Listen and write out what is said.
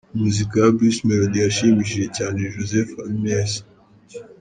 Muzika ya Bruce Melodie yashimishije cyane Joseph Habineza.